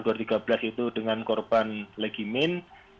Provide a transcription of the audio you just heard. di tahun dua ribu lima belas itu dengan korban legimin